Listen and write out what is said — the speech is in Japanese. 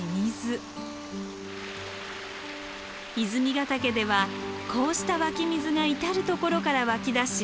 泉ヶ岳ではこうした湧き水が至る所から湧き出し